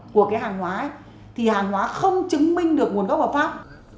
của cái hàng hóa thì hàng hóa không chứng minh được nguồn gốc hợp pháp